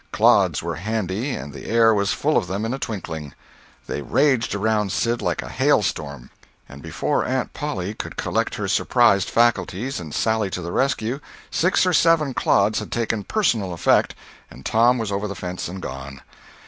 Clods were handy and the air was full of them in a twinkling. They raged around Sid like a hail storm; and before Aunt Polly could collect her surprised faculties and sally to the rescue, six or seven clods had taken personal effect, and Tom was over the fence and gone.